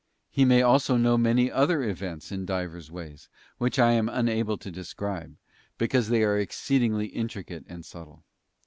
He may also know many other events in divers ways, which I am unable to de scribe, because they are exceedingly intricate and subtle.